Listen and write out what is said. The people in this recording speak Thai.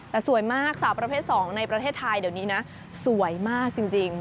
แต่สวยมากสาวประเภท๒ในประเทศไทยเดี๋ยวนี้นะสวยมากจริง